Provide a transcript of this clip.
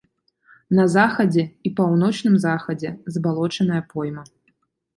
На захадзе і паўночным захадзе забалочаная пойма.